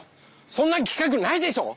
そんなきかくないでしょ！